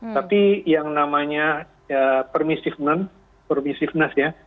tapi yang namanya permissiveness ya